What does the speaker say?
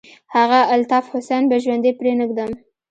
هغه الطاف حسين به ژوندى پرې نه ږدم.